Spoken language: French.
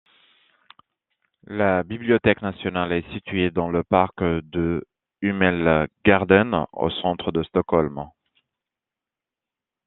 La Bibliothèque Nationale est située dans le parc de Humlegården au centre de Stockholm.